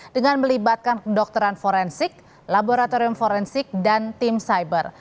dengan melibatkan kedokteran forensik laboratorium forensik dan tim cyber